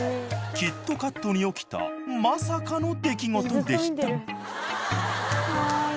キットカットに起きたまさかの出来事でした。